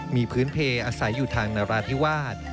มีพื้นเพลอาศัยอยู่ทางนราธิวาส